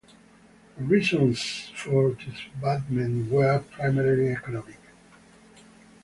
The reasons for disbandment were primarily economic.